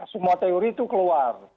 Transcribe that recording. semua teori itu keluar